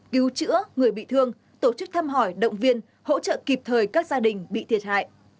cứu chữa người bị thương tổ chức thăm hỏi động viên hỗ trợ kịp thời các gia đình bị thiệt hại